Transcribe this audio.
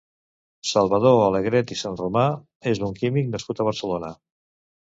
Salvador Alegret i Sanromà és un químic nascut a Barcelona.